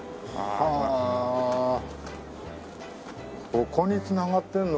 ここに繋がってんの？